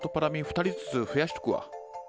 ２人ずつ増やしとくわ。